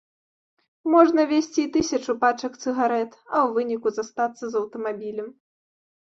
Можна везці і тысячу пачак цыгарэт, а ў выніку застацца з аўтамабілем.